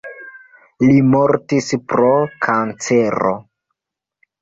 Li mortis pro kancero.